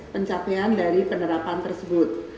pencapaian dari penerapan tersebut